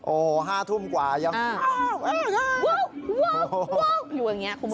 โอ้๕ทุ่มกว่ายังโว้วอยู่แบบนี้คุณผู้ชม